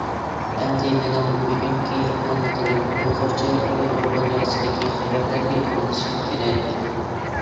ئەمدى مېنىڭ بۈگۈنكى ئانا تىلىم ئۇيغۇرچە ئۇيغۇر دۇنياسىدىكى خەۋەرلەرنى ئاڭلىشىم كېرەك.